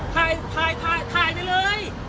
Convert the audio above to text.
ถ่ายถ่ายถ่ายถ่ายไปเลย